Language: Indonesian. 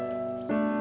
gak ada apa apa